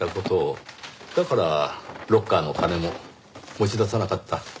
だからロッカーの金も持ち出さなかった。